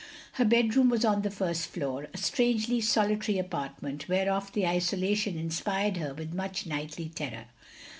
Her bedroom was on the first floor; a strangely solitary apartment, whereof the isolation inspired her with much nightly terror.